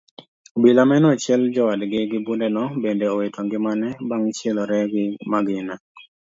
Obila mane ochiel jowadgi gi bundeno bende owito ngimane bang' chielore gi magina.